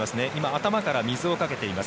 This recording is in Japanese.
頭から水をかけています。